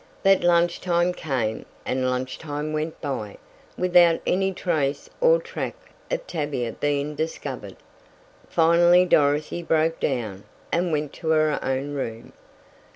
But lunch time came, and lunch time went by, without any trace or track of Tavia being discovered. Finally Dorothy broke down, and went to her own room.